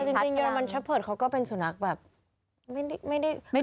จริงเยอรมันเชฟเตอร์เขาก็เป็นสุนัขแบบไม่ได้